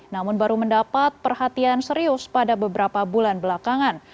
namun baru mendapat perhatian serius pada beberapa bulan belakangan